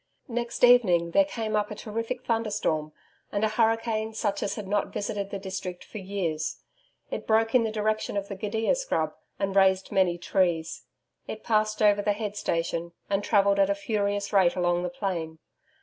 Next evening there came up a terrific thunderstorm, and a hurricane such as had not visited the district for years. It broke in the direction of the gidia scrub, and razed many trees. It passed over the head station and travelled at a furious rate along the plain.